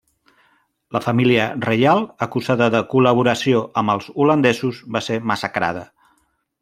La família reial, acusada de col·laboració amb els holandesos, va ser massacrada.